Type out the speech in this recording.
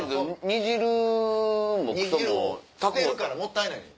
煮汁を捨てるからもったいない。